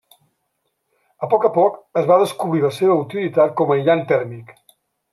A poc a poc es va descobrir la seva utilitat com aïllant tèrmic.